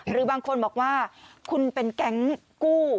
หรือบางคนบอกว่าคุณเป็นแก๊งกู้